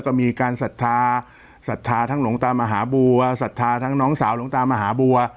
ก็มีการศรัทธาศรัทธาทั้งหลวงตามหาบัวศรัทธาทั้งน้องสาวหลวงตามหาบัว